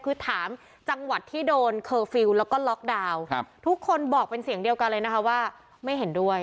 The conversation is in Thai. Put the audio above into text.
คือถามจังหวัดที่โดนเคอร์ฟิลล์แล้วก็ล็อกดาวน์ทุกคนบอกเป็นเสียงเดียวกันเลยนะคะว่าไม่เห็นด้วย